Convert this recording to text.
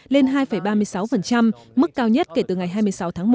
lên hai ba mươi sáu mức cao nhất kể từ ngày hai mươi sáu tháng một